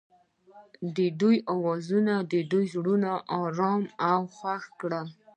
د یادونه اواز د دوی زړونه ارامه او خوښ کړل.